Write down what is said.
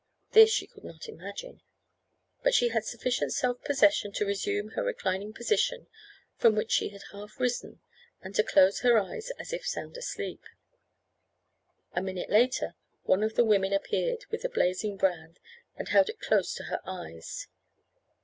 This she could not imagine; but she had sufficient self possession to resume her reclining position, from which she had half risen, and to close her eyes as if sound asleep. A minute later, one of the women appeared with a blazing brand, and held it close to her eyes.